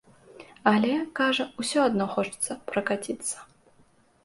Але, кажа, усё адно хочацца пракаціцца.